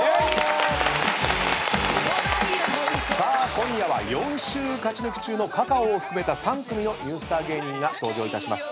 今夜は４週勝ち抜き中のｃａｃａｏを含めた３組のニュースター芸人が登場いたします。